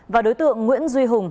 và đối tượng nguyễn duy hùng